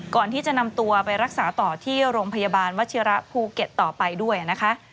ก่อนที่จะนำตัวไปรักษาต่อที่โรงพยาบาลวัชิระภูเก็ตต่อไปด้วยนะคะ